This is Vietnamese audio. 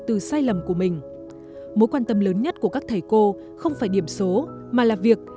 từ sai lầm của mình mối quan tâm lớn nhất của các thầy cô không phải điểm số mà là việc